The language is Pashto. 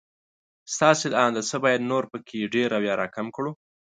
ستاسې له انده څه بايد نور په کې ډېر او يا را کم کړو